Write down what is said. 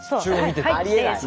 ありえない。